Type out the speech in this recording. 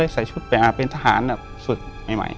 ใส่ชุดเป็นทหารแบบสุดใหม่